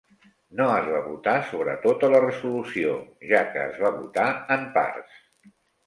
No es va votar sobre tota la resolució, ja que es va votar en parts.